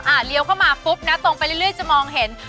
เลี้ยวเข้ามาปุ๊บนะตรงไปเรื่อยจะมองเห็น